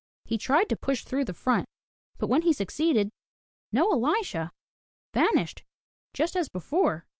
He tried to push through to the front. But when he suc ceeded, no Elisha! Vanished just as before!